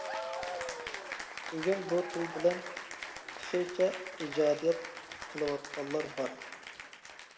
بۈگۈن بۇ تىل بىلەن تېخىچە ئىجادىيەت قىلىۋاتقانلار بار.